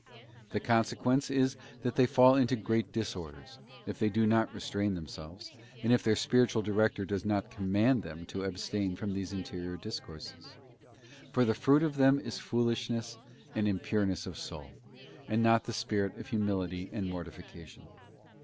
The consequence is that they fall into great disorders, if they do not restrain themselves, and if their spiritual director does not command them to abstain from these interior discourses; for the fruit of them is foolishness. and impureness of soul, and not the spirit of humility and mortification.